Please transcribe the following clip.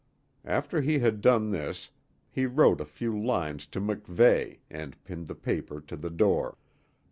After he had done this he wrote a few lines to MacVeigh and pinned the paper to the door.